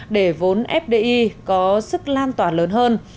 để vốn fdi có sức lan toàn lớn hơn